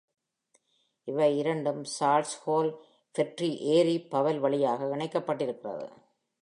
இவை இரண்டும் Charles Hall Ferry ஏரி பவல் வழியாக இணைக்கப்பட்டிருக்கிறது.